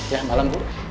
ya malam bu